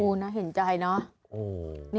โอ้โฮนะเห็นใจเนอะ